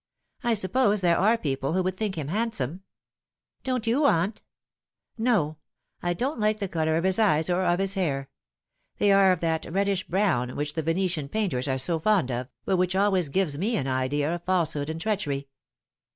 " I suppose there are people who would think him handsome." " Don't you, aunt ?" "No. I don't like the colour of his eyes or of his hair. They are of that reddish brown which the Venetian painters are so fond of, but which always give me an idea of falsehood and treachery.